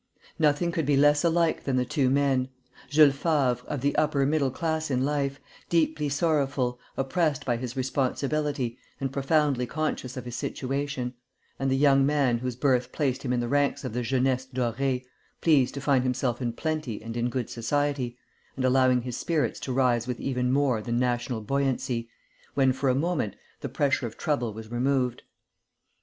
Nothing could be less alike than the two men: Jules Favre, of the upper middle class in life, deeply sorrowful, oppressed by his responsibility, and profoundly conscious of his situation; and the young man whose birth placed him in the ranks of the jeunesse dorée, pleased to find himself in plenty and in good society, and allowing his spirits to rise with even more than national buoyancy, when, for a moment, the pressure of trouble was removed.